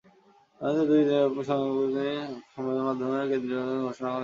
রাজধানীতে দুই দিনব্যাপী সাংগঠনিক প্রতিনিধি সম্মেলনের মাধ্যমে কেন্দ্রীয় কমিটির ঘোষণা করবে গণসংহতি আন্দোলন।